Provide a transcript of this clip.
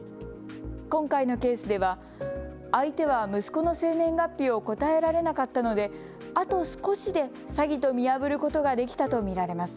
今回のケースでは相手は息子の生年月日を答えられなかったのであと少しで詐欺と見破ることができたと見られます。